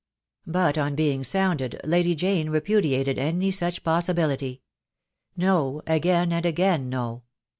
But on being sounded Lady Jane repudiated any such possibility. No, again and again no.